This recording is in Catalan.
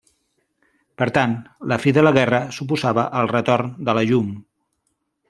Per tant, la fi de la guerra suposava el retorn de la llum.